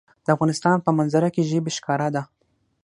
د افغانستان په منظره کې ژبې ښکاره ده.